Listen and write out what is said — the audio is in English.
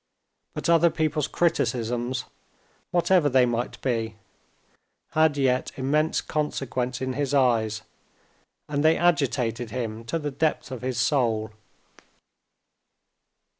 But other people's criticisms, whatever they might be, had yet immense consequence in his eyes, and they agitated him to the depths of his soul.